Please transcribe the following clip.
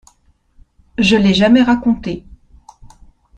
Je l’ai jamais raconté.